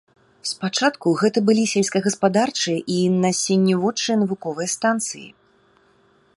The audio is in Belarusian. Спачатку гэта былі сельскагаспадарчыя і насенняводчыя навуковыя станцыі.